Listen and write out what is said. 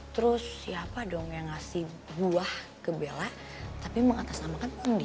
terus siapa dong yang ngasih buah ke bella tapi mengatas namakan mondi